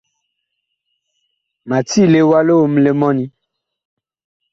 Ma tiile wa liomle li mɔni.